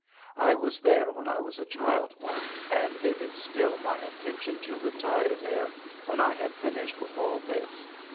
I was there when I was a child once, and it is still my intention to retire there when I have finished with all this.